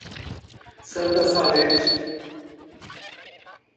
Santa Salete